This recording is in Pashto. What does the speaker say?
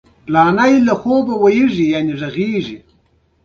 د غږ ثبتولو پروسه د نړیوالې همکارۍ مثال دی.